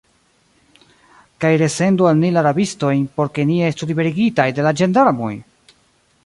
Kaj resendu al ni la rabistojn, por ke ni estu liberigitaj de la ĝendarmoj!